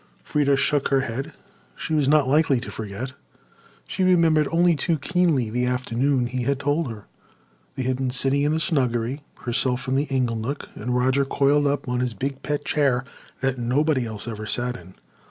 Freda shook her head. She was not likely to forget. She remembered only too keenly the afternoon he had told her. They had been sitting in the snuggery, herself in the inglenook, and Roger coiled up in his big pet chair that nobody else ever sat in.